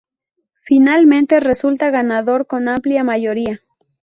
Finalmente resulta ganador con amplia mayoría.